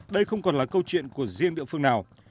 đây không còn là câu chuyện của riêng địa phương nào